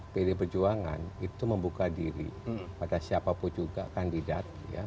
pdi perjuangan itu membuka diri pada siapapun juga kandidat